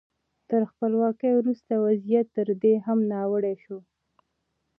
تر خپلواکۍ وروسته وضعیت تر دې هم ناوړه شو.